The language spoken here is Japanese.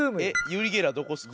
ユリ・ゲラーどこですか？